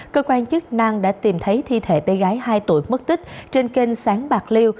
cơ quan chức năng đã tìm thấy thi thể bé gái hai tuổi mất tích trên kênh sáng bạc liêu